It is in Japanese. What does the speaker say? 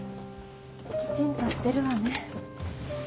きちんとしてるわね。